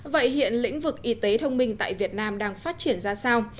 vậy hiện lĩnh vực y tế thông minh tại việt nam đang phát triển ra sao